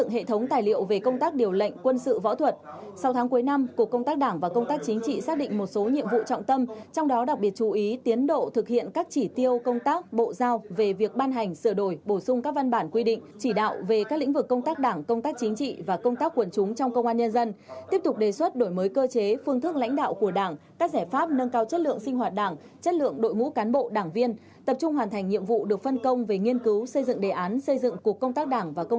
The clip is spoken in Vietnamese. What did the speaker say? cuối năm cục công tác đảng và công tác chính trị xác định một số nhiệm vụ trọng tâm trong đó đặc biệt chú ý tiến độ thực hiện các chỉ tiêu công tác bộ giao về việc ban hành sửa đổi bổ sung các văn bản quy định chỉ đạo về các lĩnh vực công tác đảng công tác chính trị và công tác quần chúng trong công an nhân dân tiếp tục đề xuất đổi mới cơ chế phương thức lãnh đạo của đảng các giải pháp nâng cao chất lượng sinh hoạt đảng chất lượng đội ngũ cán bộ đảng viên tập trung hoàn thành nhiệm vụ được phân công về nghiên cứu xây d